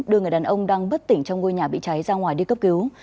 đưa người đàn ông đang bất tỉnh trong ngôi nhà bị cháy ra ngoài đi cấp cứu